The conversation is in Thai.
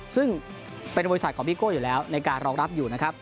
ซึ่งเป็นบริษัทของพี่โก้อยู่แล้วในการรองรับอยู่นะครับ